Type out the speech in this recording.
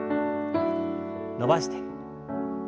伸ばして。